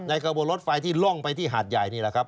กระบวนรถไฟที่ล่องไปที่หาดใหญ่นี่แหละครับ